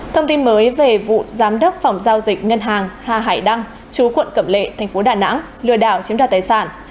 thông tin mới về vụ giám đốc phòng giao dịch ngân hàng hà hải đăng chú quận cẩm lệ thành phố đà nẵng lừa đảo chiếm đoạt tài sản